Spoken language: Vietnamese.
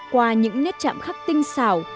qua những nét chạm khắc tinh xảo